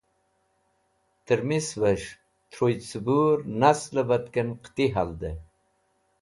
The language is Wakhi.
Tirmisves̃h Truy Cẽbur Nasle Batken Qiti Halde